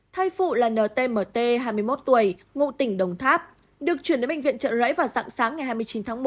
thai phụ là ntmt hai mươi một tuổi ngụ tỉnh đồng tháp được chuyển đến bệnh viện trợ rẫy vào dạng sáng ngày hai mươi chín tháng một